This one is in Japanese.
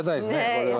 これはね。